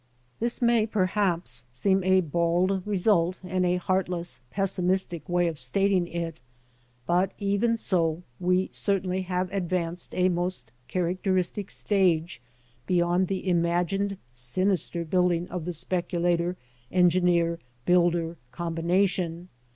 This may perhaps seem a bald result and a heartless, pessimistic way of stating it, but even so we certainly have advanced a most characteristic stage beyond the imagined sinister building of the specu lator engineer builder combination.